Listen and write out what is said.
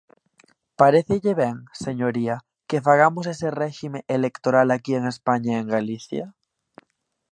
¿Parécelle ben, señoría, que fagamos ese réxime electoral aquí en España e en Galicia?